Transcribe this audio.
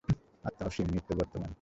আত্মা অসীম, নিত্য বর্তমান।